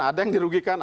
ada yang dirugikan